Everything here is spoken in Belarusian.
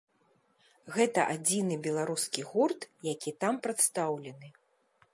Гэта адзіны беларускі гурт, які там прадстаўлены.